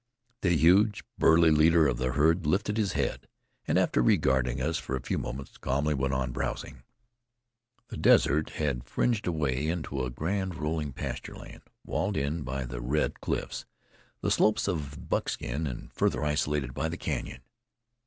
The huge, burly leader of the herd lifted his head, and after regarding us for a few moments calmly went on browsing. The desert had fringed away into a grand rolling pastureland, walled in by the red cliffs, the slopes of Buckskin, and further isolated by the Canyon.